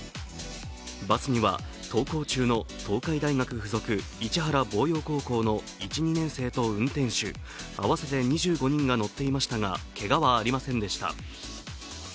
バスには登校中の東海大学付属市原望洋高校の１２年生と運転手、合わせて２５人が乗っていましたがけがはありませんでした。